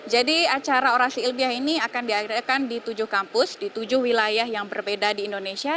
jadi acara orasi ilbiah ini akan diadakan di tujuh kampus di tujuh wilayah yang berbeda di indonesia